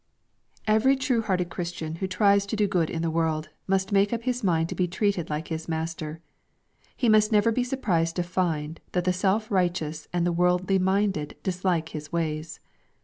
Eveiy true hearted Christian who tries to do good iq 820 EXPOSITOEY THOUGHTS. the world, must make up his iiind to be treated like hib Master. He must never be surprised to find, that the self righteous and the worldly minded dislike His ways.